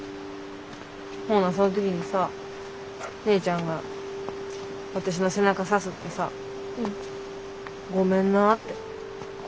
ほなその時にさ姉ちゃんが私の背中さすってさ「ごめんな」って。